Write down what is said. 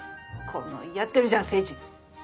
このやってるじゃん星人。